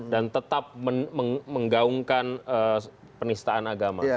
dan tetap menggaungkan penistaan agama